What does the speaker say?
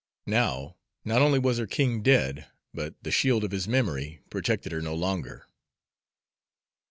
Now, not only was her king dead, but the shield of his memory protected her no longer.